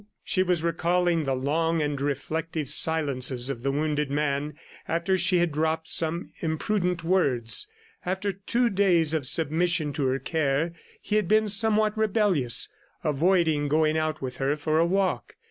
.. She was recalling the long and reflective silences of the wounded man after she had dropped some imprudent words. After two days of submission to her care, he had been somewhat rebellious, avoiding going out with her for a walk.